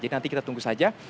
jadi nanti kita tunggu saja